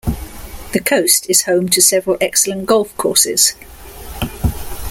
The coast is home to several excellent golf courses.